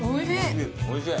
おいしい。